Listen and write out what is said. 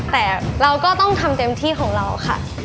แต่เราก็ต้องทำเต็มที่ของเราค่ะ